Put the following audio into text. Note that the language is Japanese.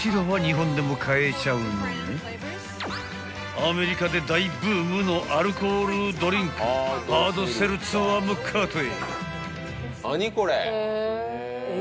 ［アメリカで大ブームのアルコールドリンクハードセルツァーもカートへ］